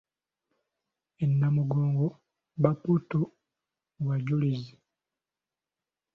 E Namugongo bapoto mu bajulizi.